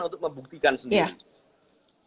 untuk membuktikan sendiri